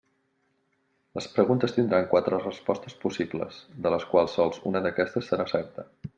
Les preguntes tindran quatre respostes possibles, de les quals sols una d'aquestes serà certa.